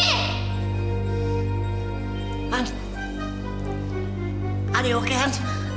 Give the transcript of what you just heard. ada yang oke han